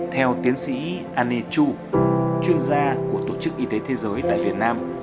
theo tiến sĩ ani chu chuyên gia của tổ chức y tế thế giới tại việt nam